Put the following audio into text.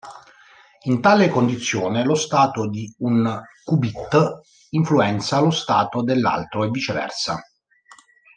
In tale condizione lo stato di un qubit influenza lo stato dell'altro e viceversa.